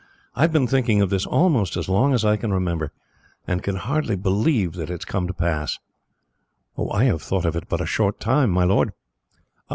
"I have been thinking of this almost as long as I can remember, and can hardly believe that it has come to pass." "I have thought of it but a short time, my lord."